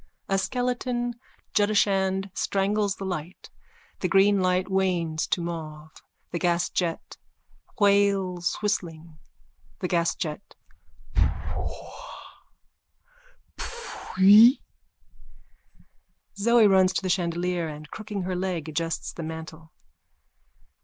(A skeleton judashand strangles the light. The green light wanes to mauve. The gasjet wails whistling.) THE GASJET: Pooah! Pfuiiiiiii! _(Zoe runs to the chandelier and, crooking her leg, adjusts the mantle.)